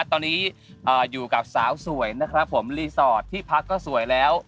ตอนนี้อยู่กับสาวสวยนะครับผมรีสอร์ทที่พักก็สวยแล้ว